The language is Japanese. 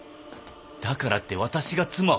だからって私が妻を？